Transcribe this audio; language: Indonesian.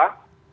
yang kedua bahwa